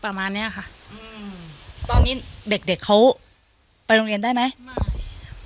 ประมาณเนี้ยค่ะอืมตอนนี้เด็กเด็กเขาไปโรงเรียนได้ไหมไม่